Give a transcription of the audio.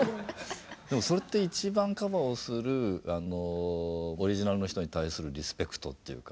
でもそれって一番カバーをするオリジナルの人に対するリスペクトっていうか尊敬だよね。